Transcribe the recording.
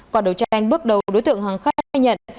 còn đối tranh bước đầu đối tượng hằng khai nhận